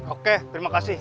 oke terima kasih